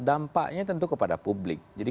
dampaknya tentu kepada publik jadi